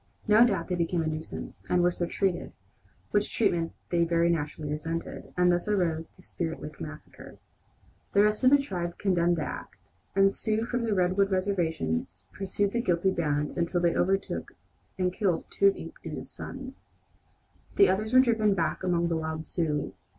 No doubt they became a nuisance, and were so treated, which treatment they very naturally resented, and thus arose the "Spirit Lake massacre." The rest of the tribe condemned the act, and Sioux from the Redwood reservation pursued the guilty band until they overtook and killed two of Inkpaduta's sons. The others were driven back among the wild Sioux.